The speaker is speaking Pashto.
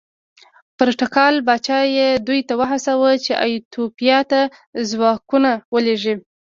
پرتګال پاچا یې دې ته وهڅاوه چې ایتوپیا ته ځواکونه ولېږي.